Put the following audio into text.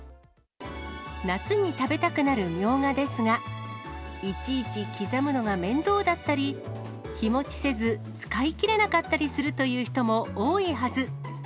夏に食べたくなるみょうがですが、いちいち刻むのが面倒だったり、日持ちせず、使いきれなかったりするという人も多いはず。